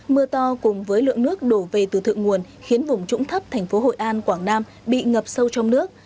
mưa to cùng với lượng nước đổ về từ thượng nguồn khiến vùng trũng thấp thành phố hội an quảng nam bị ngập sâu trong nước